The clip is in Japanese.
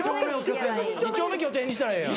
二丁目拠点にしたらええやん。